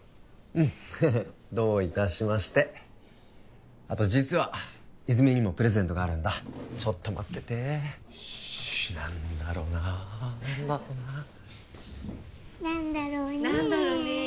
うんどういたしましてあと実は泉実にもプレゼントがあるんだちょっと待っててよしっ何だろうな何だろうな何だろうねえ？